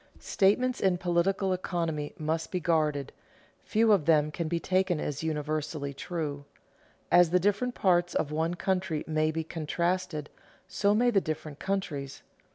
_ Statements in political economy must be guarded; few of them can be taken as universally true. As the different parts of one country may be contrasted, so may the different countries.